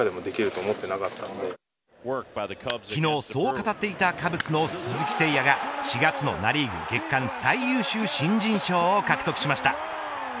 昨日そう語っていたカブスの鈴木誠也が４月のナ・リーグ月間最優秀新人賞を獲得しました。